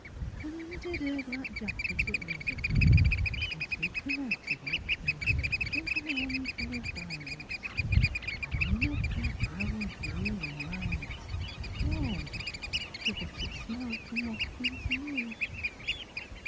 'En undid her black Jacket at th' bosom, an' took from out of it Over a double 'andful of violets, all in a pack Ravelled blue and white warm, for a bit O' th' smell come waftin' to me.